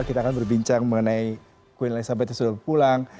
kita akan berbincang mengenai queen elizabeth yang sudah pulang